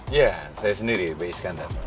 iya saya sendiri by iskandar